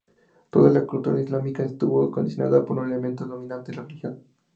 Toda la cultura islámica estuvo condicionada por un elemento dominante: la religión.